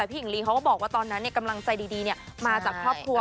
เราก็บอกตอนนั้นกำลังใจมาจากครอบครัว